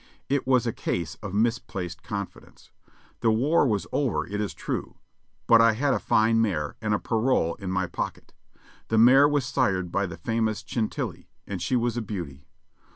It was a case of misplaced confidence. The war was. over, it is true, but I had a fine mare, and a parole in my pocket. The mare was sired by the famous Chantilly, and she was a beauty.